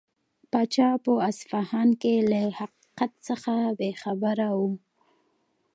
پاچا په اصفهان کې له حقیقت څخه بې خبره و.